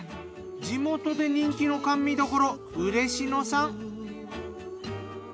地元で人気の甘味どころうれし野さん。